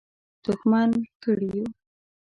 دښمن کړي یو.